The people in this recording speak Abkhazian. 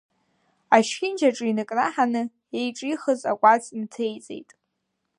Ачхьынџь аҿы иныкнаҳаны, еиҿихыз акәац нҭеиҵет.